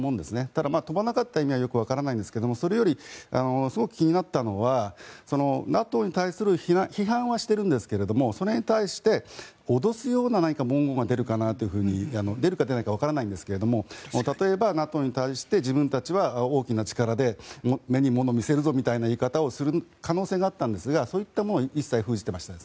ただ、飛ばなかった意味はよくわからないんですがそれより、すごく気になったのはＮＡＴＯに対する批判はしているんですけどそれに対して脅すような何か文言が出るかなと出るか出ないかわからないんですが例えばＮＡＴＯに対して自分たちは大きな力で目にものを見せるぞという言い方をする可能性があったんですがそういったものを一切封じていました。